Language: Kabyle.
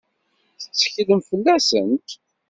Tetteklem fell-asent?